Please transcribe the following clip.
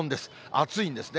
暑いんですね。